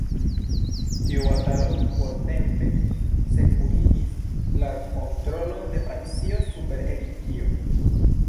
Tiu batalo portempe sekurigis la kontrolon de Francio super Egiptio.